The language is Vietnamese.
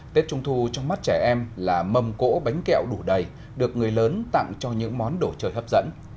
tết trung thu trong mắt trẻ em là mầm cỗ bánh kẹo đủ đầy được người lớn tặng cho những món đồ chơi hấp dẫn